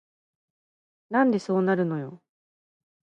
なんでそうなるのよ